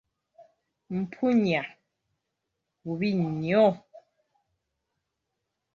Mpunya, bubi nnyo.